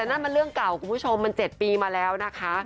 นั่นมันเรื่องเก่าคุณผู้ชมมัน๗ปีมาแล้วนะคะ